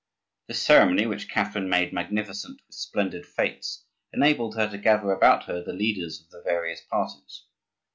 This ceremony, which Catherine made magnificent with splendid fetes, enabled her to gather about her the leaders of the various parties.